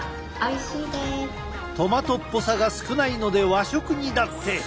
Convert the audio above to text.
トマトっぽさが少ないので和食にだって！